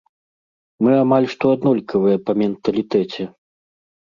Мы амаль што аднолькавыя па менталітэце.